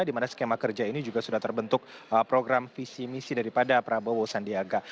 di mana skema kerja ini juga sudah terbentuk program visi misi daripada prabowo sandiaga